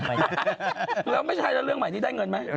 แล้วไม่ใช่แล้วเรื่องใหม่นี้ได้เงินไหม